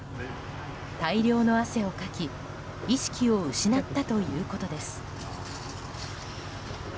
大量の汗をかき意識を失ったということです。